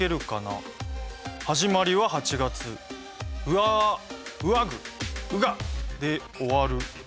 始まりは８月うああ、うあぐ、うが、で終わる」。